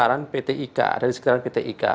ada di sekitaran pt ika